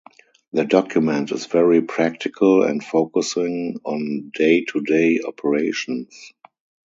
The document is very practical and focusing on day-to-day operations.